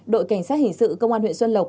đội cảnh sát hình sự công an huyện xuân lộc